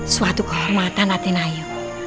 suatu kehormatan raden ayu